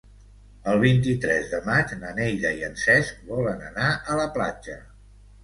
El vint-i-tres de maig na Neida i en Cesc volen anar a la platja.